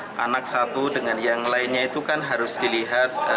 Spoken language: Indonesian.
secara kuantitatif ya anak satu dengan yang lainnya itu kan harus dilihat